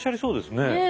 ねえ。